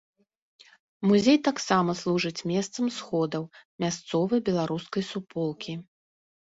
Музей таксама служыць месцам сходаў мясцовай беларускай суполкі.